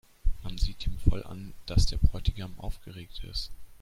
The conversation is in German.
Man sieht ihm voll an, dass der Bräutigam aufgeregt ist.